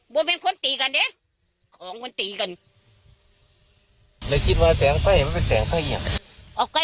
บอกเป็นคนตีกันเนี่ยของมันตีกัน